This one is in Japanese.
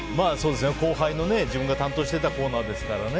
後輩の自分が担当してたコーナーですからね。